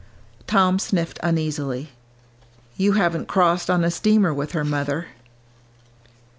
Tom sniffed uneasily. "You haven't crossed on a steamer with her, mother."